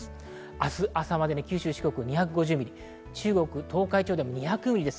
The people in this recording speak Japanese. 明日朝までに九州・四国２５０ミリ、中国・東海でも２００ミリです。